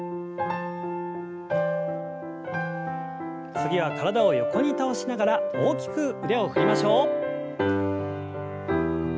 次は体を横に倒しながら大きく腕を振りましょう。